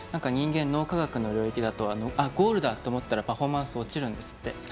人間、脳科学の領域だとゴールだと思ったらパフォーマンス落ちるんですって。